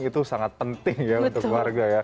itu sangat penting ya untuk keluarga